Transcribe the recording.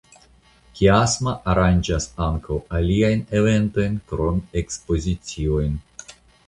Kiasma aranĝas ankaŭ aliajn eventojn krom ekspoziciojn.